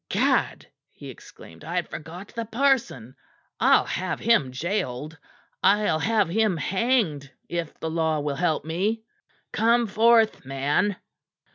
"Gad!" he exclaimed. "I had forgot the parson. I'll have him gaoled! I'll have him hanged if the law will help me. Come forth, man!"